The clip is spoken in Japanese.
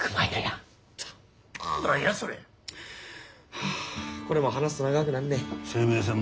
はあこれも話すと長くなんねん。